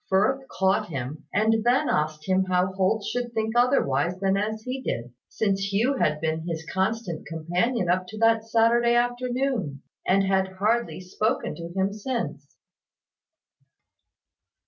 Firth caught him; and then asked him how Holt should think otherwise than as he did, since Hugh had been his constant companion up to that Saturday afternoon, and had hardly spoken to him since.